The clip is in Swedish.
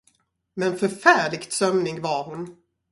Men förfärligt sömnig var hon.